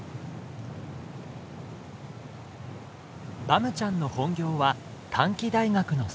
バムちゃんの本業は短期大学の先生。